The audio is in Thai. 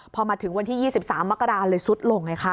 พอมาถึงวันที่๒๓มกราคมซุดลงเลยค่ะ